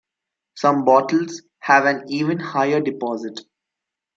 Some bottles have an even higher deposit.